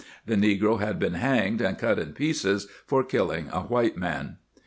The negro had been hanged and cut in pieces for kill ing a white man.